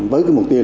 với cái mục tiêu